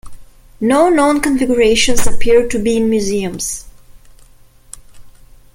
No known configurations appear to be in museums.